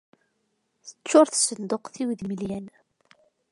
Teččur tsenduqt-iw d imaylen.